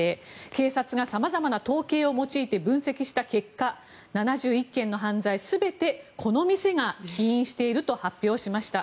警察がさまざまな統計を用いて分析した結果７１件の犯罪全てこの店が起因していると発表しました。